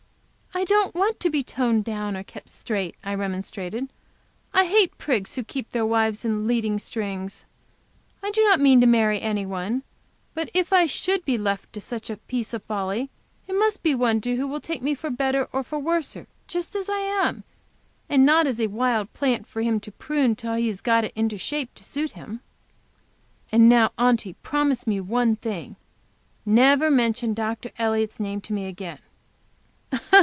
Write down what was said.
"I don't want to be toned down or kept straight," I remonstrated. "I hate prigs who keep their wives in leading strings. I do not mean to marry any one, but if I should be left to such a piece of folly, it must be to one who will take me for better for worse; just as I am, and not as a wild plant for him to prune till he has got it into a shape to suit him now, Aunty, promise me one thing. Never mention Dr. Elliott's name to me again."